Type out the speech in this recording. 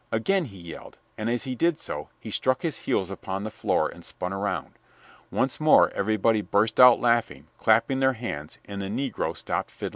Again he yelled, and as he did so, he struck his heels upon the floor and spun around. Once more everybody burst out laughing, clapping their hands, and the negro stopped fiddling.